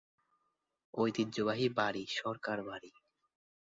ঐতিহ্যবাহী বাড়ি- সরকার বাড়ি।